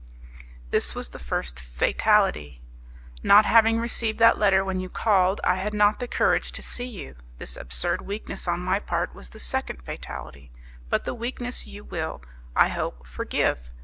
"This was the first fatality. "Not having received that letter when you called, I had not the courage to see you. This absurd weakness on my part was the second fatality, but the weakness you will; I hope; forgive.